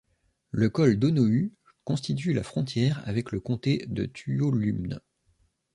Le col Donohue constitue la frontière avec le comté de Tuolumne.